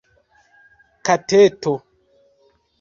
kateto